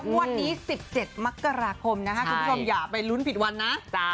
งวดนี้๑๗มกราคมชุดผู้ชมอย่าไปลุ้นผิดวันนะ